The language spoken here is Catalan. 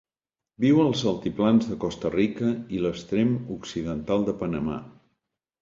Viu als altiplans de Costa Rica i l'extrem occidental de Panamà.